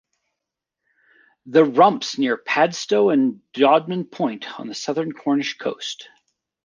The Rumps near Padstow and Dodman Point on the southern Cornish coast.